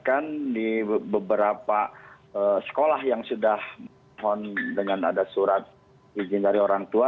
bahkan di beberapa sekolah yang sudah mohon dengan ada surat izin dari orang tua